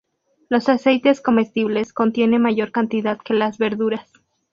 Los aceites comestibles contiene mayor cantidad que las verduras.